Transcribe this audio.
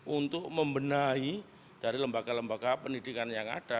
untuk membenahi dari lembaga lembaga pendidikan yang ada